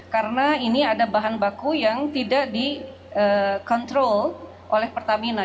karena ini ada bahan baku yang tidak dikontrol oleh pertamina